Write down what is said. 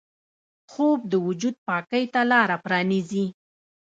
خوب د وجود پاکۍ ته لاره پرانیزي